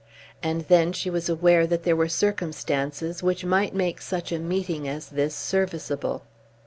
And then she was aware that there were circumstances which might make such a meeting as this serviceable.